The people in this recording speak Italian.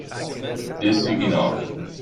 E si chinò.